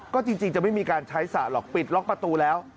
ก็จริงจะไม่มีการใช้สระหรอกปิดล็อกประตูแล้ว